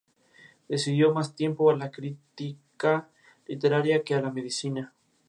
Teresa Ratto nació en Concepción del Uruguay.